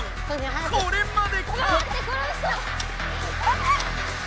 これまでか？